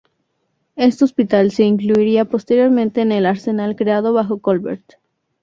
Este hospital se incluiría posteriormente en el arsenal creado bajo Colbert.